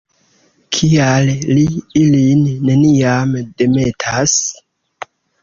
Kial li ilin neniam demetas?